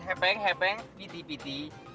hepeng hepeng piti piti